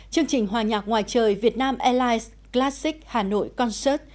chương trình hòa nhạc ngoài trời việt nam airlines classic hà nội concert